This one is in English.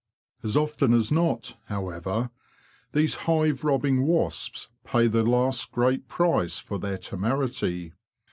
As often as not, however, these hive robbing wasps pay the last great price for their temerity.